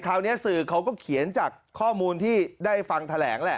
คราวนี้สื่อเขาก็เขียนจากข้อมูลที่ได้ฟังแถลงแหละ